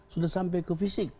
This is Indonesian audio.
sudah sampai ke fisik